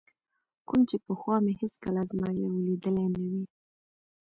کوم چې پخوا مې هېڅکله ازمایلی او لیدلی نه وي.